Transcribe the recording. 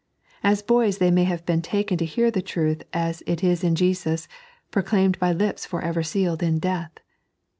As boys they may have been taken to hear the truth as it is in Jeeus, proclaimed by lips forever sealed in death.